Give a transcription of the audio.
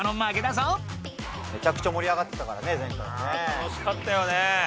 楽しかったよね。